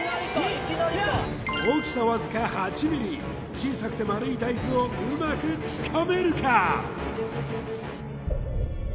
大きさわずか８ｍｍ小さくて丸い大豆をうまくつかめるか？